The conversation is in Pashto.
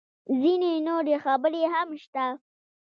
_ځينې نورې خبرې هم شته.